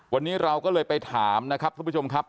วันนี้เราก็เลยไปถามนะครับทุกผู้ชมครับ